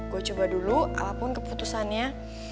gue coba dulu apapun keputusannya